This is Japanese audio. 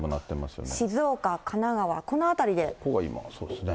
静岡、神奈川、ここが今そうですね。